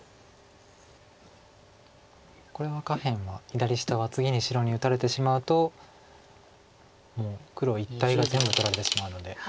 これは下辺は左下は次に白に打たれてしまうともう黒一帯が全部取られてしまうので。